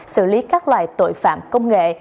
xử lý các loài tội phạm công nghệ